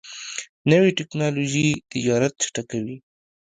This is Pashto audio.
نوې ټکنالوژي تجارت چټکوي.